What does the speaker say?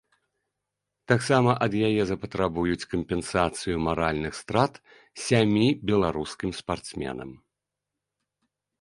Таксама ад яе запатрабуюць кампенсацыю маральных страт сямі беларускім спартсменам.